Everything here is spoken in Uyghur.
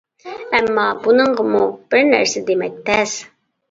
ئەمما بۇنىڭغىمۇ بىر نەرسە دېمەك تەس.